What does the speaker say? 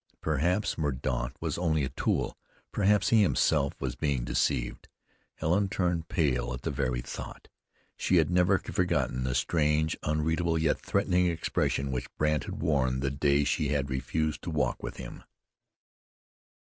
Perhaps Mordaunt was only a tool; perhaps he himself was being deceived. Helen turned pale at the very thought. She had never forgotten the strange, unreadable, yet threatening, expression which Brandt had worn the day she had refused to walk with him.